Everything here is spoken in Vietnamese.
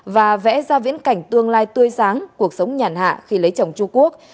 và vẽ ra viễn cảnh tương lai tươi sáng cuộc sống nhàn hạ khi lấy chồng trung quốc